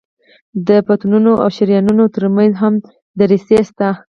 د بطنونو او شریانونو تر منځ هم دریڅې شته.